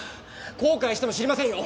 後悔しても知りませんよ？